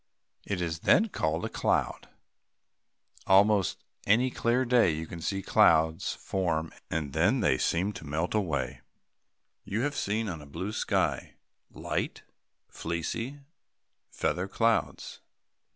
It is then called a cloud. Almost any clear day you may see clouds form and then seem to melt away. You have seen on a blue sky, light, fleecy feather clouds.